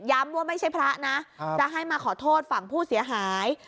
ว่าไม่ใช่พระนะจะให้มาขอโทษฝั่งผู้เสียหาย